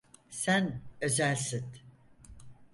Sen özelsin.